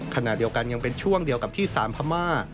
ขณะเดียวกันยังเป็นช่วงเดียวกับที่๓พม่า